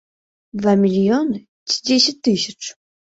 Два мільёны ці дзесяць тысяч?